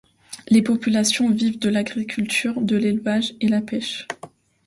Les populations vivent de l’agriculture, de l’élevage et la pêche.